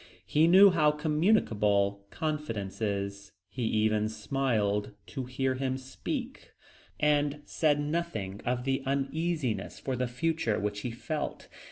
He knew how communicable confidence is; he even smiled to hear him speak, and said nothing of the uneasiness for the future which he felt.